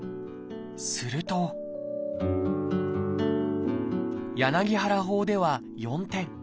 すると柳原法では４点。